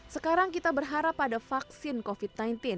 sekarang kita berharap ada vaksin covid sembilan belas